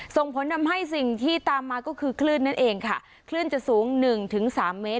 ส่งผลทำให้สิ่งที่ตามมาก็คือคลื่นนั่นเองค่ะคลื่นจะสูงหนึ่งถึงสามเมตร